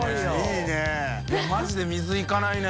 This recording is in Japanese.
いマジで水いかないね。